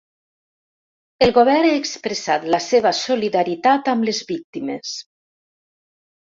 El govern ha expressat la seva solidaritat amb les víctimes.